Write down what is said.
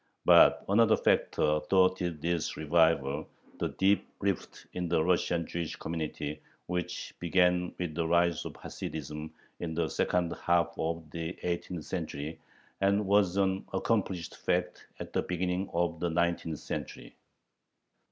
But another factor thwarted this revival the deep rift in the Russian Jewish community, which began with the rise of Hasidism in the second half of the eighteenth century, and was an accomplished fact at the beginning of the nineteenth century.